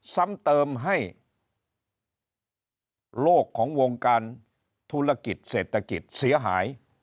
ซ้ำเติมให้โลกของวงการธุรกิจเศรษฐกิจเสียหาย